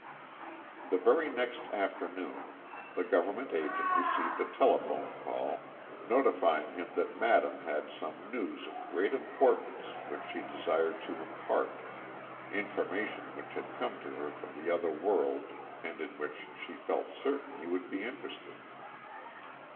The very next afternoon the government agent received a telephone call notifying him that madame had some news of great importance which she desired to impart information which had come to her from the other world and in which she felt certain he would be interested.